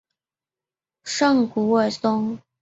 圣古尔松。